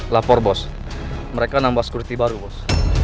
lapor bos mereka nambah security baru bos